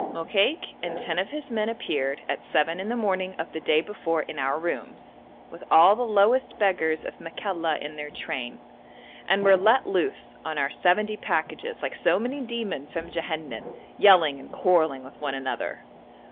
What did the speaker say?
Mokaik and ten of his men appeared at seven in the morning of the day before in our rooms, with all the lowest beggars of Makalla in their train, and were let loose on our seventy packages like so many demons from Jehannam, yelling and quarrelling with one another.